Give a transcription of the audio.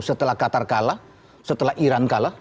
setelah qatar kalah setelah iran kalah